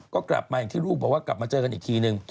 ก็กลับมาอย่างที่ลูกบอกว่ากลับมาเจอกันอีกทีนึง